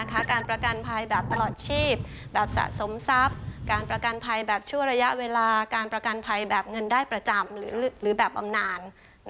การประกันภัยแบบตลอดชีพแบบสะสมทรัพย์การประกันภัยแบบชั่วระยะเวลาการประกันภัยแบบเงินได้ประจำหรือแบบบำนาน